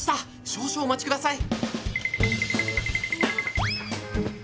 少々お待ちください。